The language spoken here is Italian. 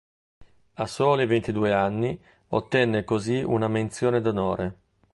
A soli ventidue anni ottenne così una menzione d'onore.